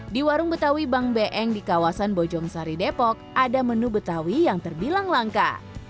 di warung betawi bang beeng di kawasan bojong sari depok ada menu betawi yang terbilang langka